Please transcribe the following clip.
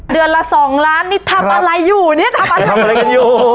เดือนละสองล้านนี่ทำอะไรอยู่นี่ทำอะไรทำอะไรกันอยู่